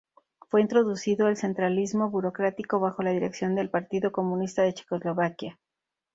Fue introducido el centralismo burocrático bajo la dirección del Partido Comunista de Checoslovaquia.